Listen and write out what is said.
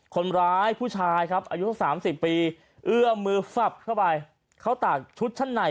คนร้ายผู้ชายครับอายุสักสามสิบปีเอื้อมือฟับเข้าไปเขาตากชุดชั้นใน